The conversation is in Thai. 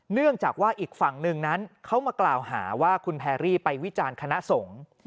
เนื่องจากว่าอีกฝั่งหนึ่งนั้นเขามากล่าวหาว่าคุณแพรรี่ไปวิจารณ์คณะสงฆ์